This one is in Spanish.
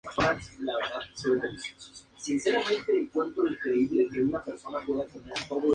Williamson estuvo brevemente casada.